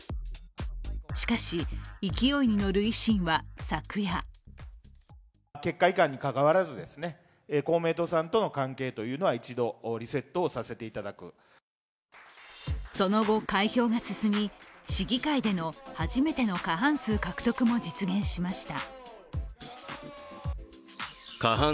しかし、勢いに乗る維新は昨夜その後、開票が進み市議会での初めての過半数獲得も実現しました。